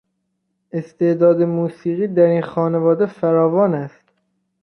استعداد موسیقی در این خانواده فراوان است.